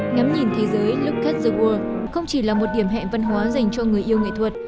ngắm nhìn thế giới lucas the world không chỉ là một điểm hẹn văn hóa dành cho người yêu nghệ thuật